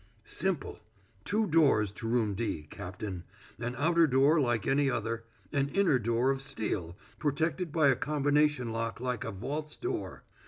"Simple. Two doors to Room D, Captain; an outer door like any other; an inner door of steel, protected by a combination lock like a vault's door.